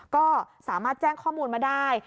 ก็สามารถแจ้งข้อมูลมาได้